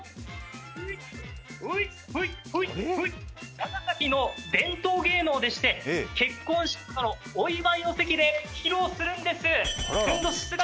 長崎の伝統芸能でして結婚式などお祝いの席で披露するんですあらら！